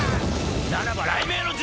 ならば雷鳴の術！